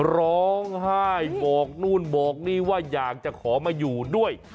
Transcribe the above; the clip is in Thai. ร้องไห้บอกนู่นบอกนี่ว่าอยากจะขอมาอยู่ด้วย